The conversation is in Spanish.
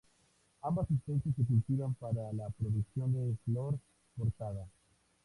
Ambas especies se cultivan para la producción de flor cortada.